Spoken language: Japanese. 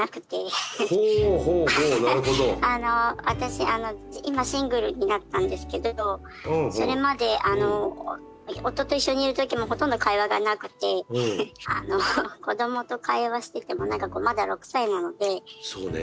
私今シングルになったんですけれどそれまで夫と一緒にいる時もほとんど会話がなくて子どもと会話してても何かまだ６歳なので。